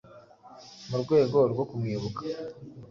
mu rwego rwo kumwibuka